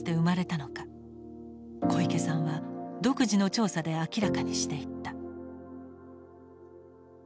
小池さんは独自の調査で明らかにしていった。